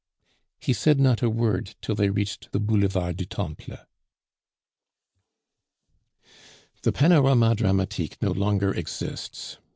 He said not a word till they reached the Boulevard du Temple. The Panorama Dramatique no longer exists.